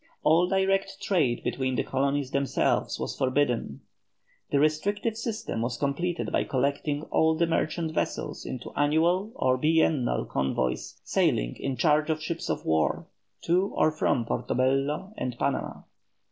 All direct trade between the colonies themselves was forbidden. The restrictive system was completed by collecting all the merchant vessels into annual or biennial convoys sailing in charge of ships of war to or from Portobello and Panama.